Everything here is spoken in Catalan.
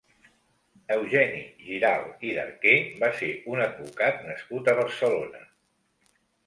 Eugeni Giral i d'Arquer va ser un advocat nascut a Barcelona.